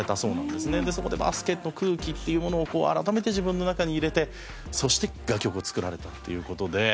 そこでバスケの空気っていうものを改めて自分の中に入れてそして楽曲を作られたっていう事で。